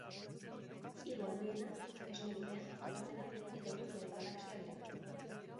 Hiru handienak Esne Bidea, Andromeda eta Hirukiaren Galaxia dira.